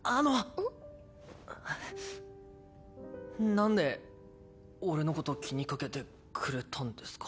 なんで俺のこと気にかけてくれたんですか？